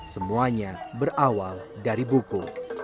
semuanya berawal dari buku